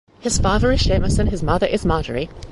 His father is Seamus and his mother is Marjorie.